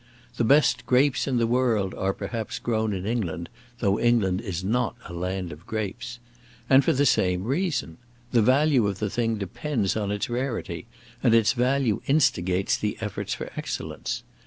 The best grapes in the world are perhaps grown in England, though England is not a land of grapes. And for the same reason. The value of the thing depends upon its rarity, and its value instigates the efforts for excellence.